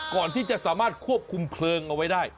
ก่อนที่จะสามารถควบคุมเพลิงเอาไว้ได้